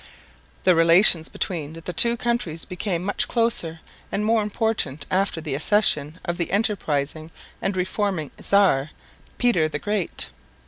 The relations between the two countries became much closer and more important after the accession of the enterprising and reforming Tsar, Peter the Great.